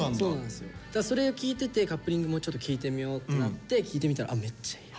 それを聴いててカップリングもちょっと聴いてみようってなって聴いてみたら「あめっちゃいいな」。